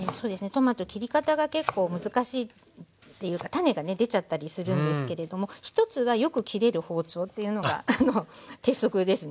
トマト切り方が結構難しいっていうか種がね出ちゃったりするんですけれども１つはよく切れる包丁っていうのが鉄則ですね。